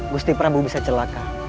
gusih prabu bisa celaka